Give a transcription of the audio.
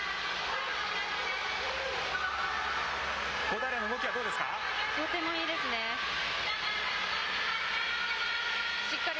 小平の動きはどうですか。